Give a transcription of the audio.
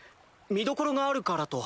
「見どころがあるから」と。